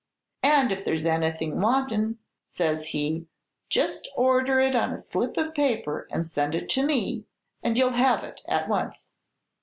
'And if there's anything wantin',' says be, 'just order it on a slip of paper and send it to me, and you 'll have it at once.'